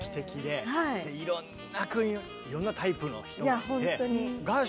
いろんなタイプの人がいて。